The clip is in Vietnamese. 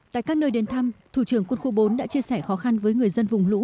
tại các nơi đến thăm thủ trưởng quân khu bốn đã chia sẻ khó khăn với người dân vùng lũ